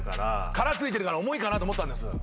殻付いてるから重いかなと思ったんです。